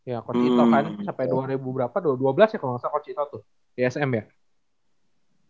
ya kocito kan sampai dua ribu berapa dua belas ya kalau ga salah kocito tuh